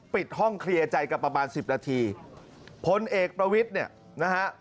ปิดห้องเคลียร์ใจกันประมาณสิบนาทีพลเอกประวิทย์เนี่ยนะฮะ